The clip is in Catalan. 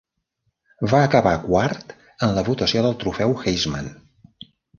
Va acabar quart en la votació del trofeu Heisman.